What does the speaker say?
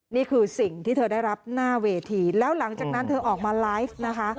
นี่คือสิ่งที่เธอได้รับหน้าเวทีแล้วหลังจากนั้นเธอออกมาไลฟ์นะคะ